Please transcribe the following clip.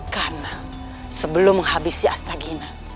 karena sebelum menghabisi astaghina